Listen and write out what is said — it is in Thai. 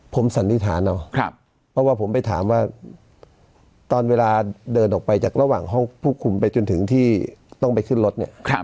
ผมสันนิษฐานเอาเพราะว่าผมไปถามว่าตอนเวลาเดินออกไปจากระหว่างห้องผู้คุมไปจนถึงที่ต้องไปขึ้นรถเนี่ย